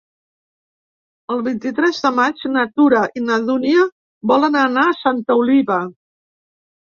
El vint-i-tres de maig na Tura i na Dúnia volen anar a Santa Oliva.